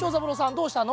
どうしたの？